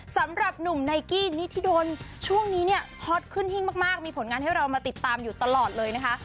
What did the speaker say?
สำหรับหนุ่มไนกี้นิธิดลช่วงนี้เนี่ยฮอตขึ้นหิ้งมากมีผลงานให้เรามาติดตามอยู่ตลอดเลยนะคะ